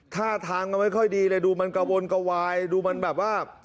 ท่าทางก็ไม่ค่อยดีเลยดูมันกระวนกระวายดูมันแบบว่า